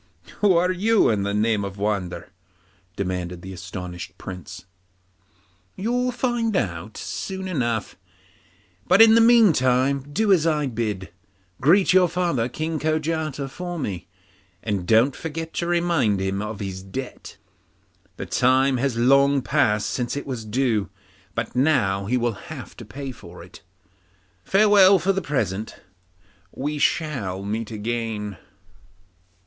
'Who are you, in the name of wonder?' demanded the astonished Prince. 'You'll find out soon enough, but in the meantime do as I bid you. Greet your father King Kojata from me, and don't forget to remind him of his debt; the time has long passed since it was due, but now he will have to pay it. Farewell for the present; we shall meet again.